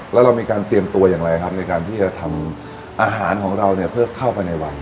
แล้วเรามีการเตรียมตัวอย่างไรครับในการที่จะทำอาหารของเราเนี่ยเพื่อเข้าไปในวัน